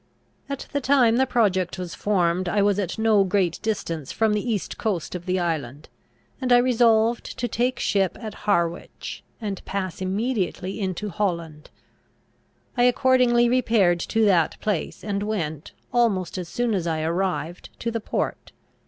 At the time the project was formed I was at no great distance from the east coast of the island, and I resolved to take ship at Harwich, and pass immediately into Holland. I accordingly repaired to that place, and went, almost as soon as I arrived, to the port.